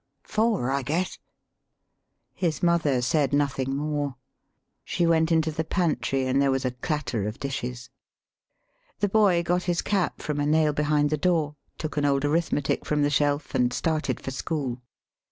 "Four, I guess." His mother said nothing more. She went into the pantry, and there was a clatter of dishes. The boy got his cap from a nail behind the door, took an old arithmetic from the shelf, and started for school.